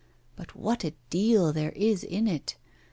But what a deal there is in it!